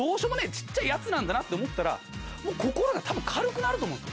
小っちゃいヤツなんだなって思ったら心がたぶん軽くなると思うんです。